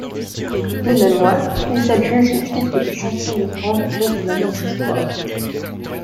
Le même mois il s'adjuge le titre de champion de France du contre-la-montre espoirs.